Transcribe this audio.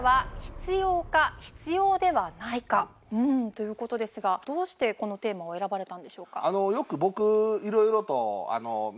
という事ですがどうしてこのテーマを選ばれたんでしょうか？